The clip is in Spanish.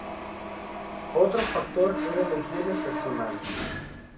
Otro factor era la higiene personal.